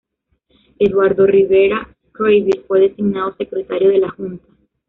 Eduardo Rivera Schreiber fue designado secretario de la Junta.